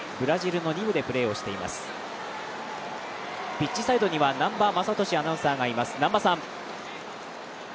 ピッチサイドには南波雅俊アナがいます。